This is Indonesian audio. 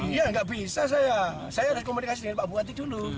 iya nggak bisa saya harus komunikasi dengan pak bupati dulu